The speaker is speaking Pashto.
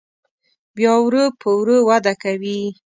بیا ورو په ورو وده کوي.